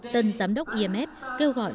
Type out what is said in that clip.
tân giám đốc imf kêu gọi